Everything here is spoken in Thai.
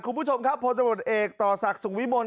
คุณผู้ชมครับพลตำรวจเอกต่อศักดิ์สุขวิมล